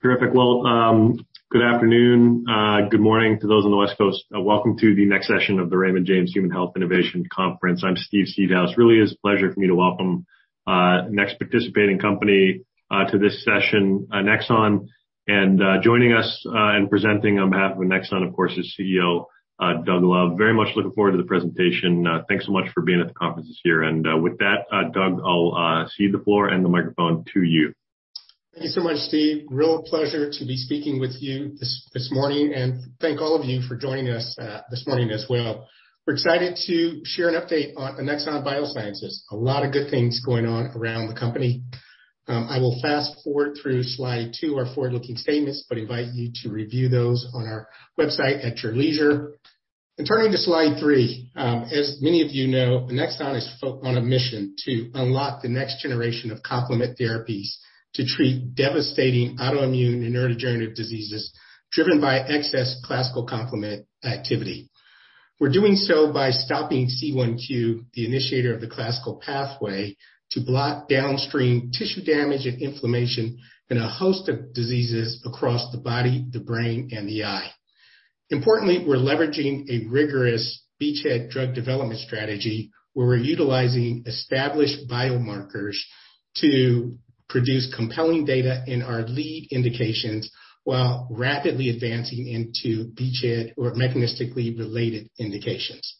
Well, good afternoon, good morning to those on the West Coast, and welcome to the next session of the Raymond James Human Health Innovation Conference. I'm Steve Seedhouse. Really, it's a pleasure for me to welcome the next participating company to this session, Annexon. Joining us and presenting on behalf of Annexon, of course, is CEO Doug Love. Very much looking forward to the presentation. Thanks so much for being at the conference this year. With that, Doug, I'll cede the floor and the microphone to you. Thank you so much, Steve. Real pleasure to be speaking with you this morning, and thank all of you for joining us this morning as well. We're excited to share an update on Annexon Biosciences. A lot of good things going on around the company. I will fast-forward through slide two, our forward-looking statements, but invite you to review those on our website at your leisure. Turning to slide three. As many of you know, Annexon is on a mission to unlock the next generation of complement therapies to treat devastating autoimmune and neurodegenerative diseases driven by excess classical complement activity. We're doing so by stopping C1q, the initiator of the classical pathway, to block downstream tissue damage and inflammation in a host of diseases across the body, the brain, and the eye. Importantly, we're leveraging a rigorous beachhead drug development strategy where we're utilizing established biomarkers to produce compelling data in our lead indications while rapidly advancing into beachhead or mechanistically related indications.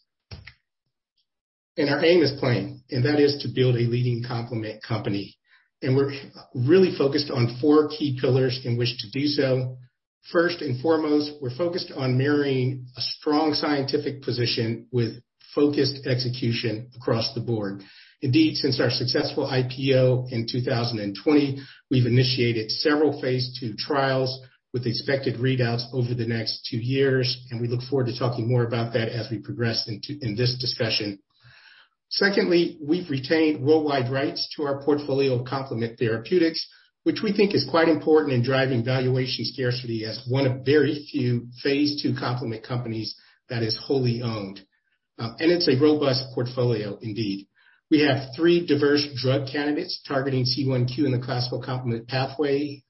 Our aim is plain, and that is to build a leading complement company. We're really focused on four key pillars in which to do so. First and foremost, we're focused on marrying a strong scientific position with focused execution across the board. Indeed, since our successful IPO in 2020, we've initiated several phase II trials with expected readouts over the next two years, and we look forward to talking more about that as we progress in this discussion. Secondly, we've retained worldwide rights to our portfolio of complement therapeutics, which we think is quite important in driving valuation scarcity as one of very few phase II complement companies that is wholly owned. It's a robust portfolio indeed. We have three diverse drug candidates targeting C1q in the classical complement pathway,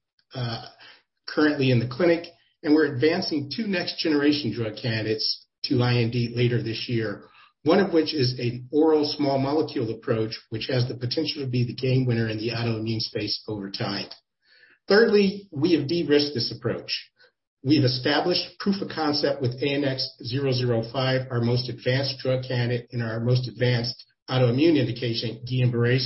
currently in the clinic, and we're advancing two next-generation drug candidates to IND later this year. One of which is an oral small molecule approach, which has the potential to be the game winner in the autoimmune space over time. Thirdly, we have de-risked this approach. We've established proof of concept with ANX005, our most advanced drug candidate in our most advanced autoimmune indication, Guillain-Barré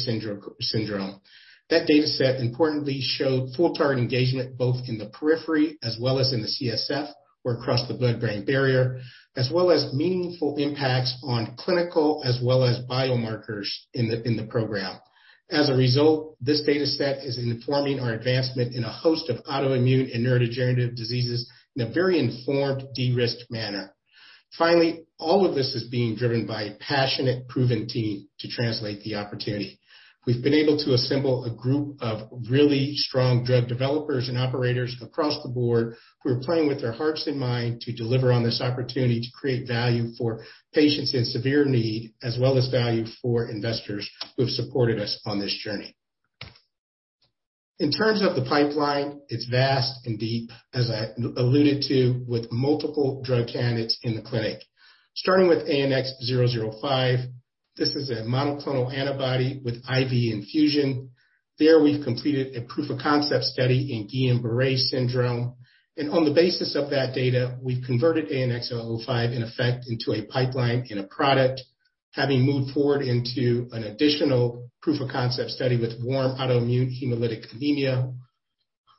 Syndrome. That data set importantly showed full target engagement both in the periphery as well as in the CSF or across the blood-brain barrier, as well as meaningful impacts on clinical as well as biomarkers in the program. As a result, this data set is informing our advancement in a host of autoimmune and neurodegenerative diseases in a very informed, de-risked manner. Finally, all of this is being driven by a passionate, proven team to translate the opportunity. We've been able to assemble a group of really strong drug developers and operators across the board who are playing with their hearts and mind to deliver on this opportunity to create value for patients in severe need, as well as value for investors who have supported us on this journey. In terms of the pipeline, it's vast and deep, as I alluded to, with multiple drug candidates in the clinic. Starting with ANX005, this is a monoclonal antibody with IV infusion. There, we've completed a proof of concept study in Guillain-Barré Syndrome. On the basis of that data, we've converted ANX005 in effect into a pipeline and a product, having moved forward into an additional proof of concept study with warm autoimmune hemolytic anemia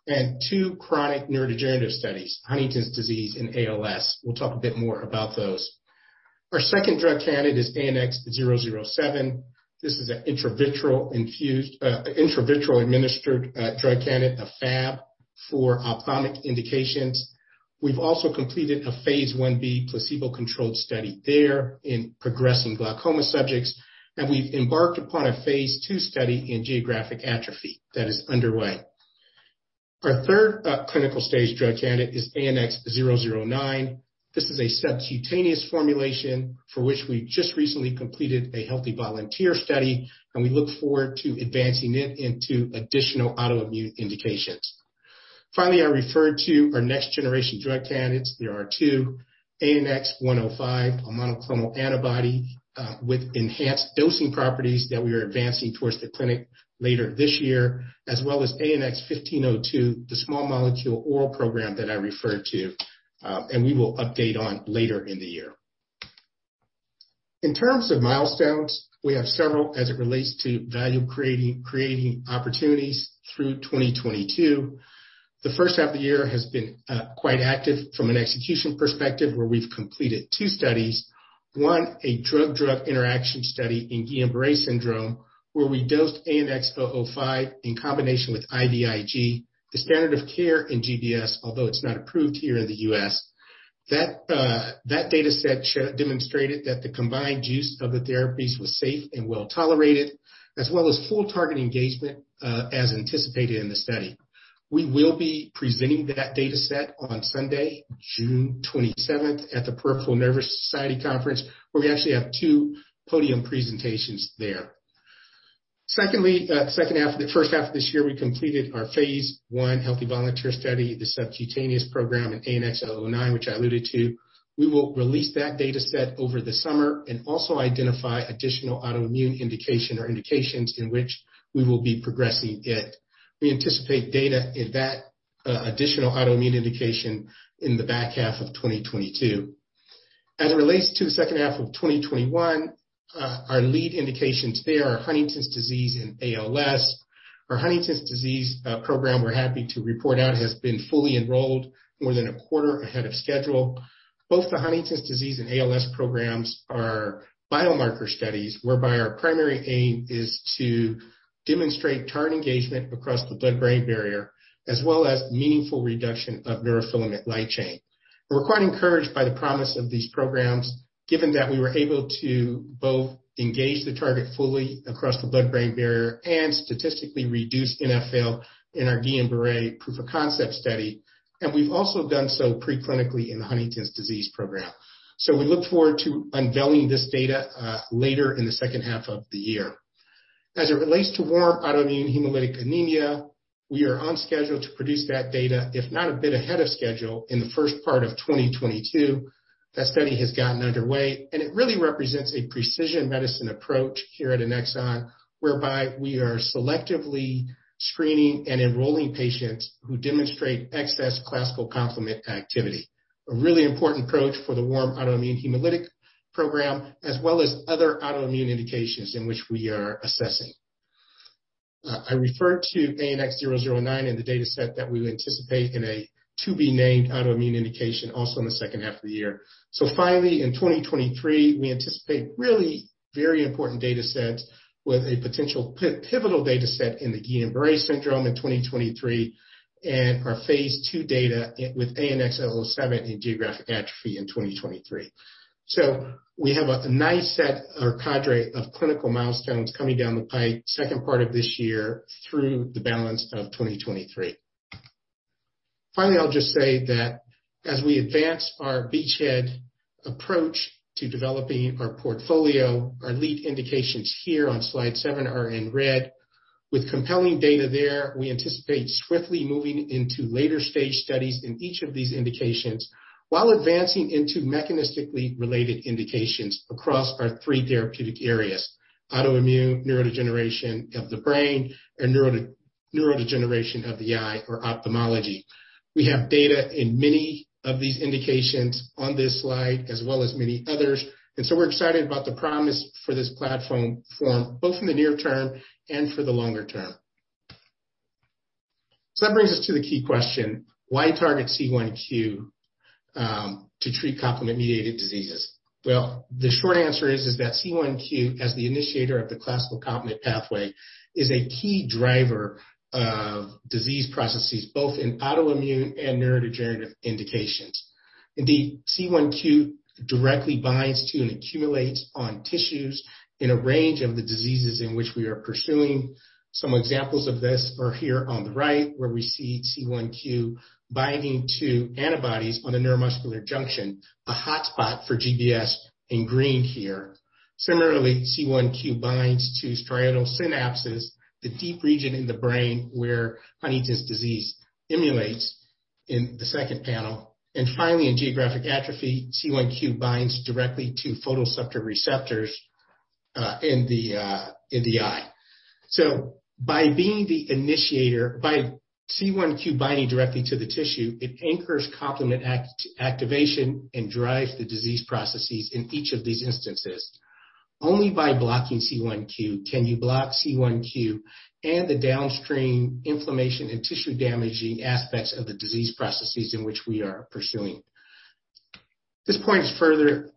and two chronic neurodegenerative studies, Huntington's disease and ALS. We'll talk a bit more about those. Our second drug candidate is ANX007. This is an intravitreal infused, intravitreal administered, drug candidate, a Fab for ophthalmic indications. We've also completed a phase I-B placebo-controlled study there in progressive glaucoma subjects. We've embarked upon a phase II study in geographic atrophy that is underway. Our third, clinical stage drug candidate is ANX009. This is a subcutaneous formulation for which we just recently completed a healthy volunteer study. We look forward to advancing it into additional autoimmune indications. Finally, I referred to our next-generation drug candidates. There are two, ANX105, a monoclonal antibody, with enhanced dosing properties that we are advancing towards the clinic later this year, as well as ANX1502, the small molecule oral program that I referred to. We will update on later in the year. In terms of milestones, we have several as it relates to value creating opportunities through 2022. The first half of the year has been quite active from an execution perspective, where we've completed two studies, one a drug-drug interaction study in Guillain-Barré Syndrome, where we dosed ANX005 in combination with IVIG, the standard of care in GBS, although it's not approved here in the U.S. That data set demonstrated that the combined use of the therapies was safe and well-tolerated, as well as full target engagement, as anticipated in the study. We will be presenting that data set on Sunday, June 27th at the Peripheral Nerve Society conference, where we actually have two podium presentations there. Secondly, the first half of this year, we completed our phase I healthy volunteer study, the subcutaneous program in ANX009, which I alluded to. We will release that data set over the summer and also identify additional autoimmune indication or indications in which we will be progressing it. We anticipate data in that additional autoimmune indication in the back half of 2022. As it relates to the second half of 2021, our lead indications there are Huntington's disease and ALS. Our Huntington's disease program, we're happy to report out, has been fully enrolled more than a quarter ahead of schedule. Both the Huntington's disease and ALS programs are biomarker studies, whereby our primary aim is to demonstrate target engagement across the blood-brain barrier, as well as meaningful reduction of neurofilament light chain. We're quite encouraged by the promise of these programs, given that we were able to both engage the target fully across the blood-brain barrier and statistically reduce NfL in our Guillain-Barré proof of concept study, and we've also done so pre-clinically in the Huntington's disease program. We look forward to unveiling this data later in the second half of the year. As it relates to warm autoimmune hemolytic anemia, we are on schedule to produce that data, if not a bit ahead of schedule, in the first part of 2022. That study has gotten underway, and it really represents a precision medicine approach here at Annexon, whereby we are selectively screening and enrolling patients who demonstrate excess classical complement activity. A really important approach for the warm autoimmune hemolytic program, as well as other autoimmune indications in which we are assessing. I referred to ANX009 and the data set that we anticipate in a to-be-named autoimmune indication also in the second half of the year. Finally, in 2023, we anticipate really very important data sets with a potential pivotal data set in the Guillain-Barré Syndrome in 2023 and our phase II data with ANX007 in geographic atrophy in 2023. We have a nice set or cadre of clinical milestones coming down the pipe second part of this year through the balance of 2023. Finally, I'll just say that as we advance our beachhead approach to developing our portfolio, our lead indications here on slide seven are in red. With compelling data there, we anticipate swiftly moving into later-stage studies in each of these indications while advancing into mechanistically related indications across our three therapeutic areas: autoimmune, neurodegeneration of the brain, and neurodegeneration of the eye or ophthalmology. We have data in many of these indications on this slide, as well as many others. We're excited about the promise for this platform for both in the near term and for the longer term. That brings us to the key question: Why target C1q to treat complement-mediated diseases? Well, the short answer is that C1q, as the initiator of the classical complement pathway, is a key driver of disease processes both in autoimmune and neurodegenerative indications. Indeed, C1q directly binds to and accumulates on tissues in a range of the diseases in which we are pursuing. Some examples of this are here on the right, where we see C1q binding to antibodies on the neuromuscular junction, a hotspot for GBS in green here. Similarly, C1q binds to striatal synapses, the deep region in the brain where Huntington's disease emulates in the second panel. Finally, in geographic atrophy, C1q binds directly to photoreceptor receptors in the eye. By C1q binding directly to the tissue, it anchors complement activation and drives the disease processes in each of these instances. Only by blocking C1q can you block C1q and the downstream inflammation and tissue-damaging aspects of the disease processes in which we are pursuing. This point is further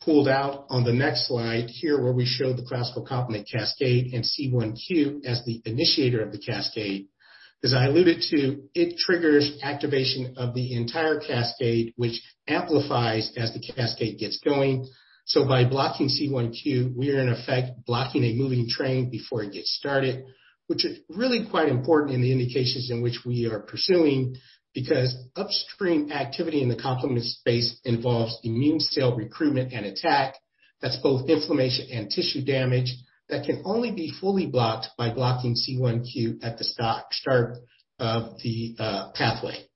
pulled out on the next slide here where we show the classical complement cascade and C1q as the initiator of the cascade. As I alluded to, it triggers activation of the entire cascade, which amplifies as the cascade gets going. By blocking C1q, we are in effect blocking a moving train before it gets started, which is really quite important in the indications in which we are pursuing, because upstream activity in the complement space involves immune cell recruitment and attack. That's both inflammation and tissue damage that can only be fully blocked by blocking C1q at the start of the pathway.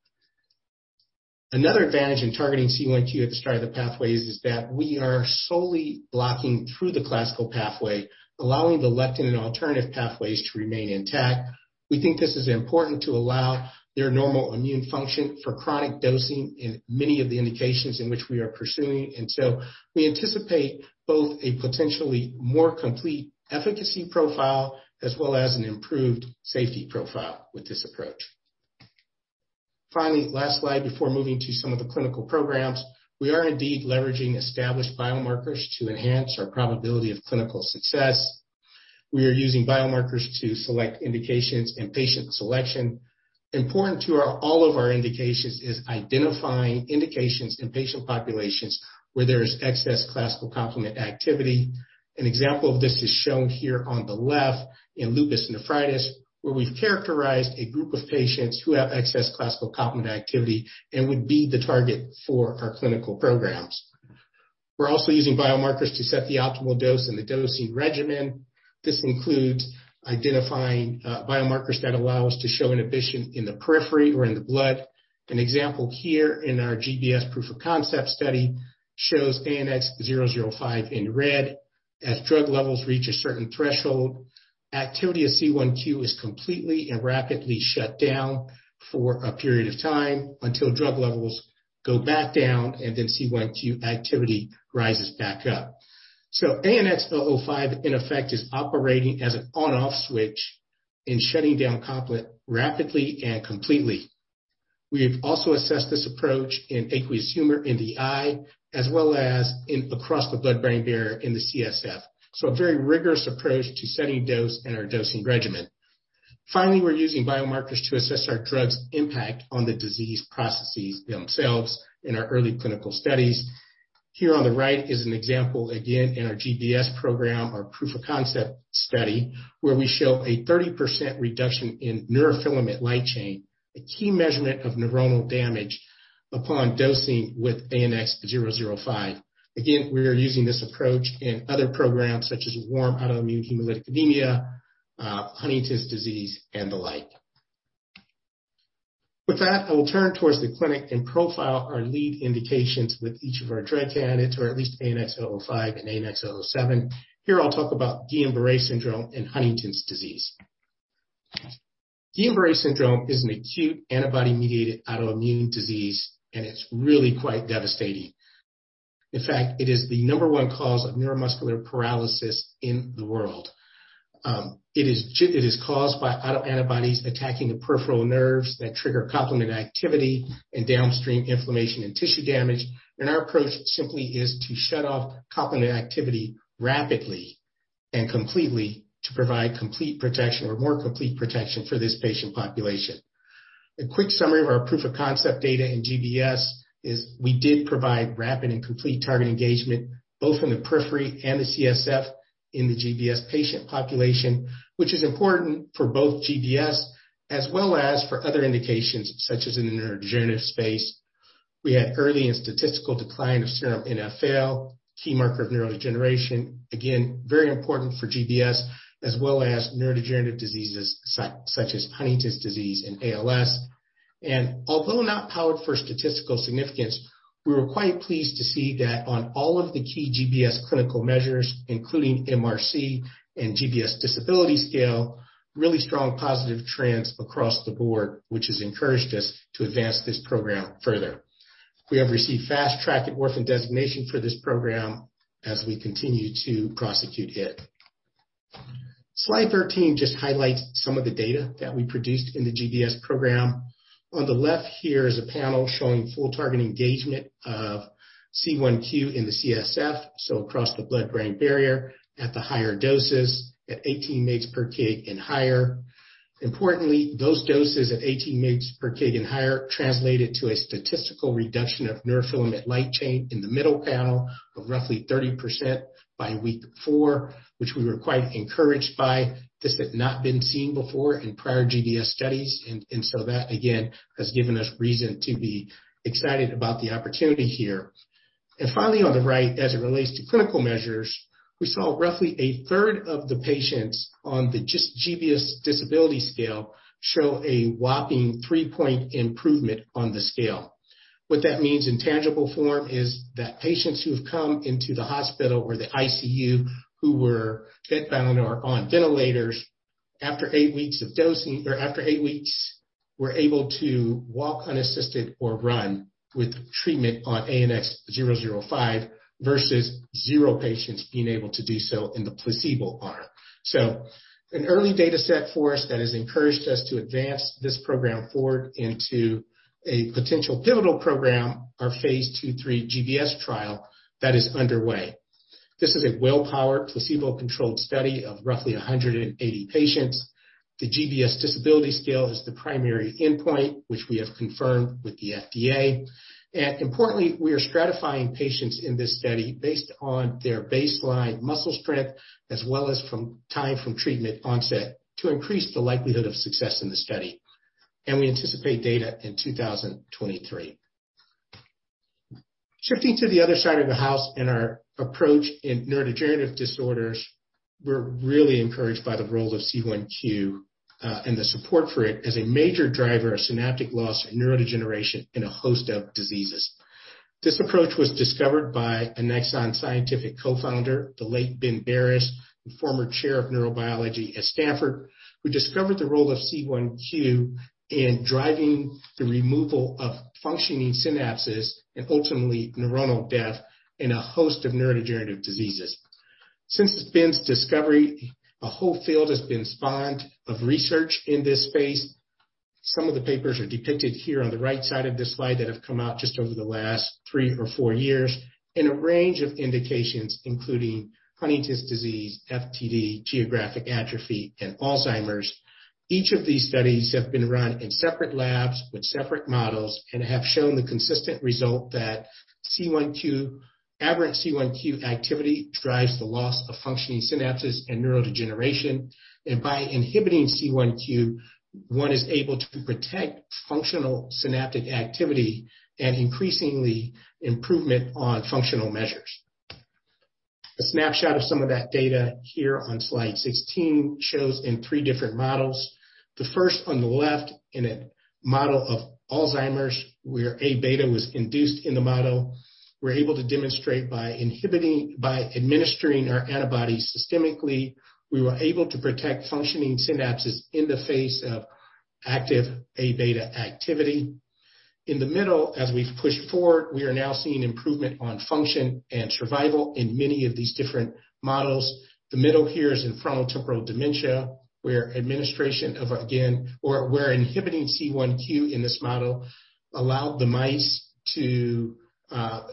Another advantage in targeting C1q at the start of the pathways is that we are solely blocking through the classical pathway, allowing the lectin and alternative pathways to remain intact. We think this is important to allow their normal immune function for chronic dosing in many of the indications in which we are pursuing. We anticipate both a potentially more complete efficacy profile as well as an improved safety profile with this approach. Finally, last slide before moving to some of the clinical programs. We are indeed leveraging established biomarkers to enhance our probability of clinical success. We are using biomarkers to select indications and patient selection. Important to all of our indications is identifying indications and patient populations where there is excess classical complement activity. An example of this is shown here on the left in lupus nephritis, where we've characterized a group of patients who have excess classical complement activity and would be the target for our clinical programs. We're also using biomarkers to set the optimal dose and the dosing regimen. This includes identifying biomarkers that allow us to show inhibition in the periphery or in the blood. An example here in our GBS proof of concept study shows ANX005 in red. As drug levels reach a certain threshold, activity of C1q is completely and rapidly shut down for a period of time until drug levels go back down, and then C1q activity rises back up. ANX005, in effect, is operating as an on/off switch in shutting down complement rapidly and completely. We have also assessed this approach in aqueous humor in the eye, as well as across the blood-brain barrier in the CSF. A very rigorous approach to setting dose and our dosing regimen. Finally, we're using biomarkers to assess our drug's impact on the disease processes themselves in our early clinical studies. Here on the right is an example, again, in our GBS program, our proof of concept study, where we show a 30% reduction in neurofilament light chain, a key measurement of neuronal damage upon dosing with ANX005. Again, we are using this approach in other programs such as warm autoimmune hemolytic anemia, Huntington's disease, and the like. With that, I will turn towards the clinic and profile our lead indications with each of our drug candidates, or at least ANX005 and ANX007. Here I'll talk about Guillain-Barré Syndrome and Huntington's disease. Guillain-Barré Syndrome is an acute antibody-mediated autoimmune disease, and it's really quite devastating. In fact, it is the number one cause of neuromuscular paralysis in the world. It is caused by autoantibodies attacking the peripheral nerves that trigger complement activity and downstream inflammation and tissue damage. Our approach simply is to shut off complement activity rapidly and completely to provide complete protection or more complete protection for this patient population. A quick summary of our proof of concept data in GBS is we did provide rapid and complete target engagement both in the periphery and the CSF. In the GBS patient population, which is important for both GBS as well as for other indications such as in the neurodegenerative space. We had early and statistical decline of serum NfL, key marker of neurodegeneration. Again, very important for GBS as well as neurodegenerative diseases such as Huntington's disease and ALS. Although not powered for statistical significance, we were quite pleased to see that on all of the key GBS clinical measures, including MRC and GBS Disability Scale, really strong positive trends across the board, which has encouraged us to advance this program further. We have received Fast Track and Orphan Drug Designation for this program as we continue to prosecute it. Slide 13 just highlights some of the data that we produced in the GBS program. On the left here is a panel showing full target engagement of C1q in the CSF, so across the blood-brain barrier at the higher doses, at 18 mg/kg and higher. Importantly, those doses at 18 mg/kg and higher translated to a statistical reduction of neurofilament light chain in the middle panel of roughly 30% by week four, which we were quite encouraged by. This had not been seen before in prior GBS studies, that, again, has given us reason to be excited about the opportunity here. Finally, on the right, as it relates to clinical measures, we saw roughly a third of the patients on the GBS disability scale show a whopping 3-point improvement on the scale. What that means in tangible form is that patients who have come into the hospital or the ICU who were bedbound or on ventilators after eight weeks were able to walk unassisted or run with treatment on ANX005 versus zero patients being able to do so in the placebo arm. An early data set for us that has encouraged us to advance this program forward into a potential pivotal program, our phase II/III GBS trial that is underway. This is a well-powered, placebo-controlled study of roughly 180 patients. The GBS Disability Scale is the primary endpoint, which we have confirmed with the FDA. Importantly, we are stratifying patients in this study based on their baseline muscle strength as well as from time from treatment onset to increase the likelihood of success in the study. We anticipate data in 2023. Shifting to the other side of the house in our approach in neurodegenerative disorders, we're really encouraged by the role of C1q and the support for it as a major driver of synaptic loss and neurodegeneration in a host of diseases. This approach was discovered by Annexon scientific co-founder, the late Ben Barres, the former chair of neurobiology at Stanford, who discovered the role of C1q in driving the removal of functioning synapses and ultimately neuronal death in a host of neurodegenerative diseases. Since Ben's discovery, a whole field has been spawned of research in this space. Some of the papers are depicted here on the right side of this slide that have come out just over the last three or four years in a range of indications, including Huntington's disease, FTD, geographic atrophy, and Alzheimer's. Each of these studies have been run in separate labs with separate models and have shown the consistent result that average C1q activity drives the loss of functioning synapses and neurodegeneration. By inhibiting C1q, one is able to protect functional synaptic activity and increasingly improvement on functional measures. A snapshot of some of that data here on slide 16 shows in three different models. The first on the left in a model of Alzheimer's, where A-beta was induced in the model, we're able to demonstrate by administering our antibody systemically, we were able to protect functioning synapses in the face of active A-beta activity. In the middle, as we've pushed forward, we are now seeing improvement on function and survival in many of these different models. The middle here is in frontotemporal dementia, where inhibiting C1q in this model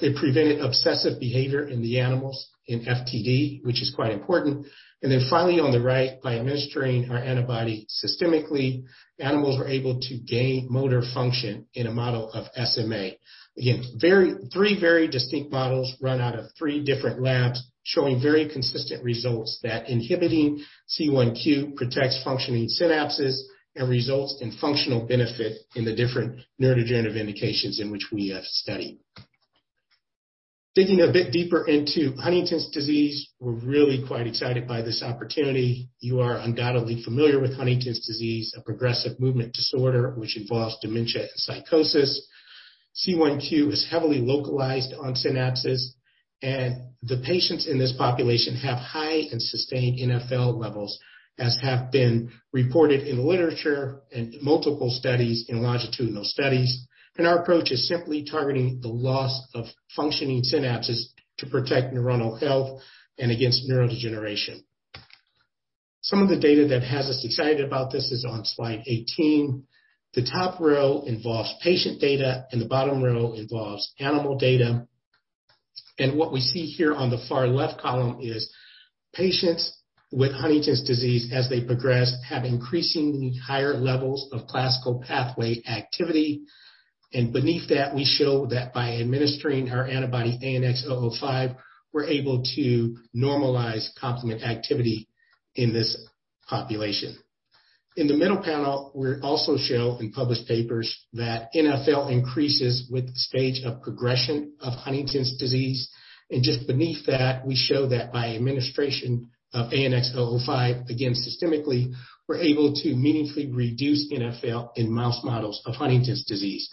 it prevented obsessive behavior in the animals in FTD, which is quite important. Then finally, on the right, by administering our antibody systemically, animals are able to gain motor function in a model of SMA. Again, three very distinct models run out of three different labs showing very consistent results that inhibiting C1q protects functioning synapses and results in functional benefit in the different neurodegenerative indications in which we have studied. Digging a bit deeper into Huntington's disease, we're really quite excited by this opportunity. You are undoubtedly familiar with Huntington's disease, a progressive movement disorder which involves dementia and psychosis. C1q is heavily localized on synapses, and the patients in this population have high and sustained NfL levels, as have been reported in literature in multiple studies, in longitudinal studies. Our approach is simply targeting the loss of functioning synapses to protect neuronal health and against neurodegeneration. Some of the data that has us excited about this is on slide 18. The top row involves patient data, and the bottom row involves animal data. What we see here on the far left column is patients with Huntington's disease, as they progress, have increasingly higher levels of classical pathway activity. Beneath that, we show that by administering our antibody, ANX005, we're able to normalize complement activity in this population. In the middle panel, we also show in published papers that NfL increases with the stage of progression of Huntington's disease. Just beneath that, we show that by administration of ANX005, again, systemically, we're able to meaningfully reduce NfL in mouse models of Huntington's disease.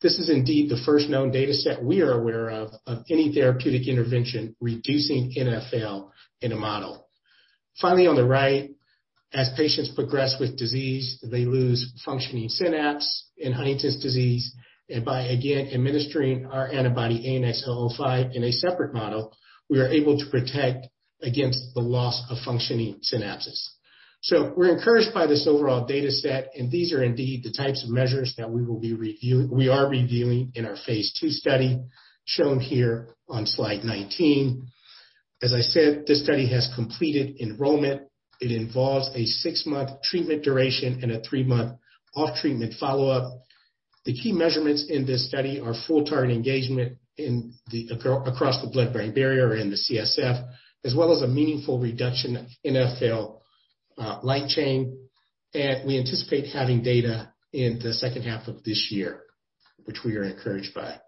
This is indeed the first known data set we are aware of any therapeutic intervention reducing NfL in a model. Finally, on the right, as patients progress with disease, they lose functioning synapse in Huntington's disease. By again administering our antibody, ANX005, in a separate model, we are able to protect against the loss of functioning synapses. We're encouraged by this overall data set, and these are indeed the types of measures that we are reviewing in our phase II study shown here on slide 19. As I said, this study has completed enrollment. It involves a six-month treatment duration and a three-month off-treatment follow-up. The key measurements in this study are full target engagement across the blood-brain barrier in the CSF, as well as a meaningful reduction of NfL light chain. We anticipate having data in the second half of this year, which we are encouraged by.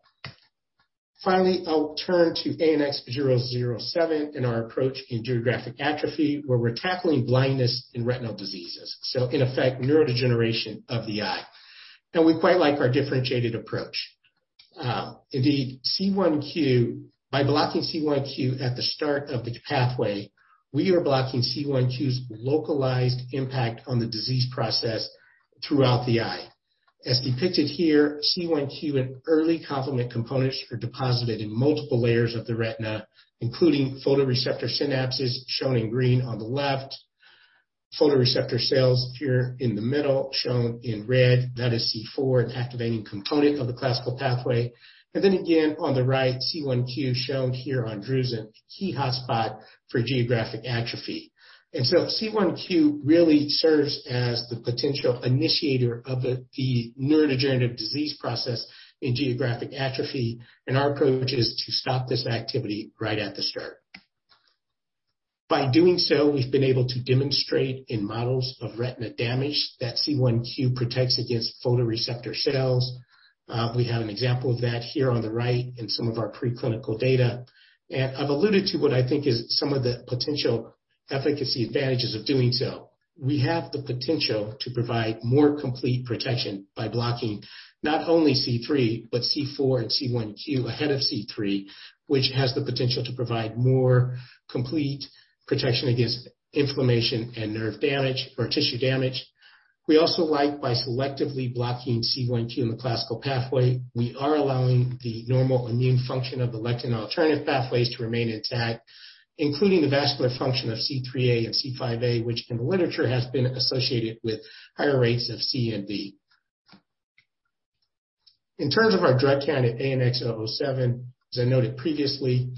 Finally, I'll turn to ANX007 and our approach in geographic atrophy, where we're tackling blindness in retinal diseases. In effect, neurodegeneration of the eye. Now, we quite like our differentiated approach. Indeed, C1q, by blocking C1q at the start of the pathway, we are blocking C1q's localized impact on the disease process throughout the eye. As depicted here, C1q and early complement components are deposited in multiple layers of the retina, including photoreceptor synapses shown in green on the left, photoreceptor cells here in the middle shown in red. That is C4, an activating component of the classical pathway. Again on the right, C1q shown here on drusen, a key hotspot for geographic atrophy. So C1q really serves as the potential initiator of the neurodegenerative disease process in geographic atrophy, and our approach is to stop this activity right at the start. By doing so, we've been able to demonstrate in models of retina damage that C1q protects against photoreceptor cells. We have an example of that here on the right in some of our preclinical data. I've alluded to what I think is some of the potential efficacy advantages of doing so. We have the potential to provide more complete protection by blocking not only C3, but C4 and C1q ahead of C3, which has the potential to provide more complete protection against inflammation and nerve damage or tissue damage. We also like by selectively blocking C1q in the classical pathway, we are allowing the normal immune function of the lectin alternative pathways to remain intact, including the vascular function of C3a and C5a, which in the literature has been associated with higher rates of CNV. In terms of our drug candidate, ANX007, as I noted previously,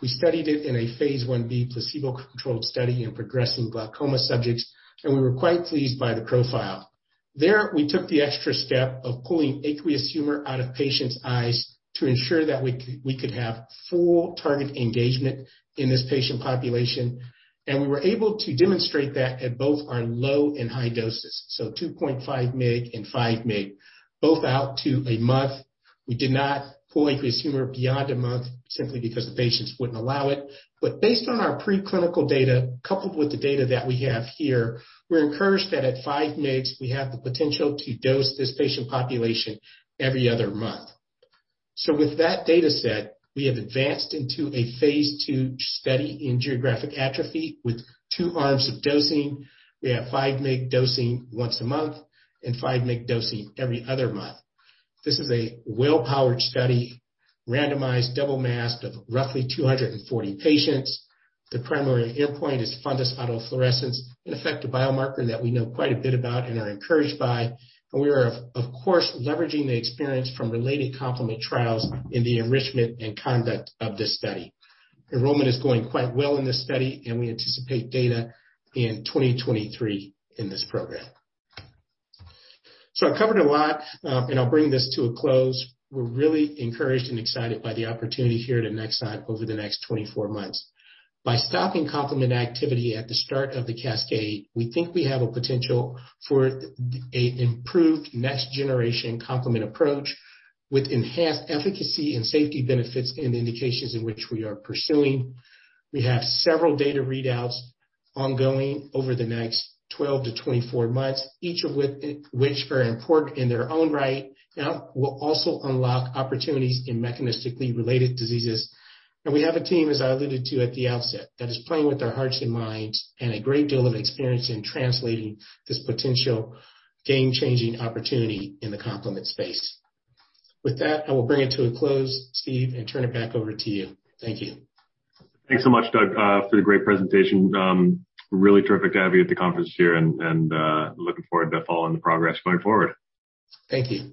we studied it in a phase I-B placebo-controlled study in progressive glaucoma subjects, and we were quite pleased by the profile. There, we took the extra step of pulling aqueous humor out of patients' eyes to ensure that we could have full target engagement in this patient population, and we were able to demonstrate that at both our low and high doses, 2.5 mg and 5 mg, both out to a month. We did not pull aqueous humor beyond a month simply because patients wouldn't allow it. Based on our preclinical data, coupled with the data that we have here, we're encouraged that at 5 mg we have the potential to dose this patient population every other month. With that data set, we have advanced into a phase II study in geographic atrophy with two arms of dosing. We have 5 mg dosing once a month and 5 mg dosing every other month. This is a well-powered study, randomized, double masked of roughly 240 patients. The primary endpoint is fundus autofluorescence, an effective biomarker that we know quite a bit about and are encouraged by. We are, of course, leveraging the experience from related complement trials in the enrichment and conduct of this study. Enrollment is going quite well in this study, and we anticipate data in 2023 in this program. I've covered a lot, and I'll bring this to a close. We're really encouraged and excited by the opportunity here at Annexon over the next 24 months. By stopping complement activity at the start of the cascade, we think we have a potential for an improved next-generation complement approach with enhanced efficacy and safety benefits in the indications in which we are pursuing. We have several data readouts ongoing over the next 12-24 months, each of which are important in their own right and will also unlock opportunities in mechanistically related diseases. We have a team, as I alluded to at the outset, that is playing with their hearts and minds and a great deal of experience in translating this potential game-changing opportunity in the complement space. With that, I will bring it to a close, Steve, and turn it back over to you. Thank you. Thanks so much, Doug, for the great presentation. Really terrific to have you at the conference here and looking forward to following the progress going forward. Thank you